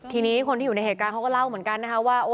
ทีนี้คนที่อยู่ในเหตุการณ์เขาก็เล่าเหมือนกันนะคะว่า